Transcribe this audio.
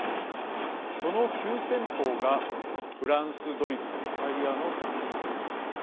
その急先鋒がフランスドイツ、イタリアの３か国です。